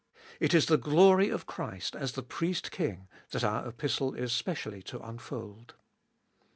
It is the glory of Christ as the Priest King that our Epistle is specially to unfold.